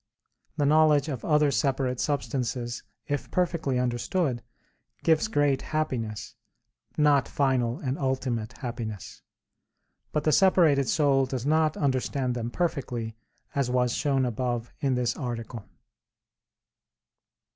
The knowledge of other separate substances if perfectly understood gives great happiness not final and ultimate happiness. But the separated soul does not understand them perfectly, as was shown above in this article.